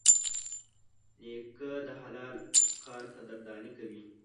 نیکه د حلال کار قدرداني کوي.